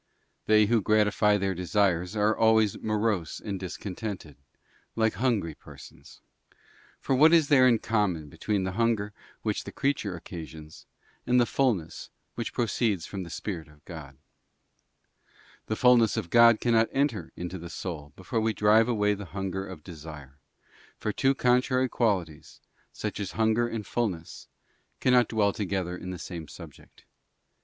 They who gratify their desires are always morose and discontented, like hungry persons: for what is there in common between the hunger which the creature occasions, and the fulness which proceeds from the Spirit of God? The fulness of God cannot enter into the soul before we drive away the hunger of desire, for two contrary qualities, such as hunger and fulness, cannot dwell * S. Matt. xv. 26. + Ib. vii. 6. t Ps. lili. 15, 16. _ Few THE WAY OF TRANSGRESSORS IS HARD. 25 together in the same subject.